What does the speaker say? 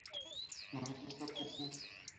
No registra presencias